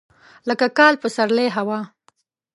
لکه کال، پسرلی، هوا.